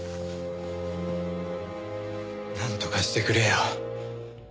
なんとかしてくれよ。